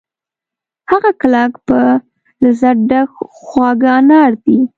هغه کلک په لذت ډک خواږه انار دي